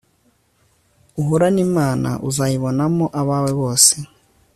uhorane imana uzaayiboanamo abawe bose